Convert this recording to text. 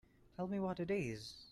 Tell me what it is.